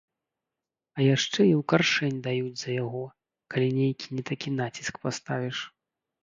А яшчэ і ў каршэнь даюць за яго, калі нейкі не такі націск паставіш.